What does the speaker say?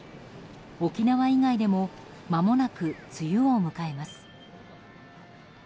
沖縄以外でもまもなく梅雨を迎えます。